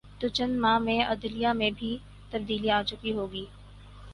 تو چند ماہ میں عدلیہ میں بھی تبدیلی آ چکی ہو گی۔